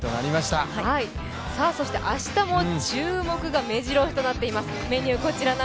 明日も注目がめじろ押しとなっています。